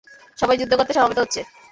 সবাই যুদ্ধ করতে সমবেত হচ্ছে।